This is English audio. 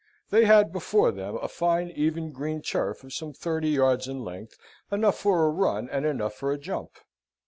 They had before them a fine even green turf of some thirty yards in length, enough for a run and enough for a jump.